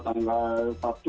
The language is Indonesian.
kami akan menerima ulasan video